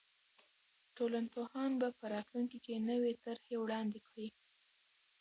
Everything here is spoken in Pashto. ټولنپوهان به په راتلونکي کې نوې طرحې وړاندې کړي.